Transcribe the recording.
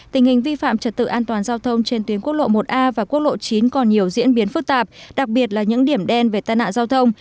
tình hình vi phạm trật tự an toàn giao thông trên tuyến quốc lộ một a và quốc lộ chín còn nhiều diễn biến phức tạp đặc biệt là những điểm đen về tai nạn giao thông